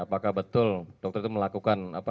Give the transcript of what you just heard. apakah betul dokter itu melakukan